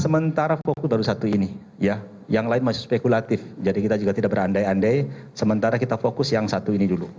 sementara fokus baru satu ini ya yang lain masih spekulatif jadi kita juga tidak berandai andai sementara kita fokus yang satu ini dulu